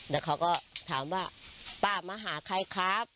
แล้วเขาก็ถามว่าป้ามาหาใครครับ